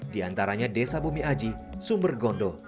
di antaranya desa bumi aji sumbergondo dan bumi aji